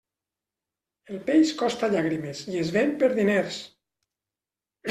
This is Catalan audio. El peix costa llàgrimes i es ven per diners.